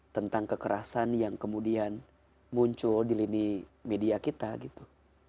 tentang kekerasan yang kemudian muncul di lini media kita gitu